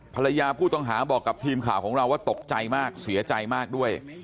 ภรรยาผู้ต้องหาบอกกับทีมข่าวของเราว่าตกใจมากเสียใจมากด้วย